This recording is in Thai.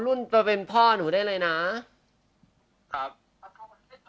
ตรงนี้มันเป็นเหมือนพวกเหรอว่าเหมือนแบบเว็บพวกเสียโป้อะไรบ้างเนี่ย